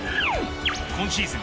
今シーズン